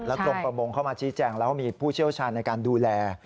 กรมประมงเข้ามาชี้แจงแล้วมีผู้เชี่ยวชาญในการดูแล